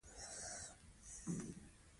خپل کار ته دوام ورکړو.